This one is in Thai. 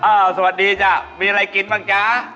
สวัสดีจ้ะมีอะไรกินบ้างจ๊ะ